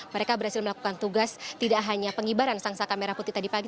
mereka berhasil melakukan tugas tidak hanya pengibaran sangsa kamera putih tadi pagi